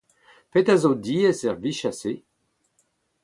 Petra a zo diaes er vicher-se ?